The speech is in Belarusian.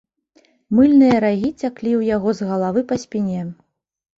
Мыльныя рагі цяклі ў яго з галавы па спіне.